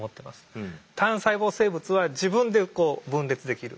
単細胞生物は自分でこう分裂できる。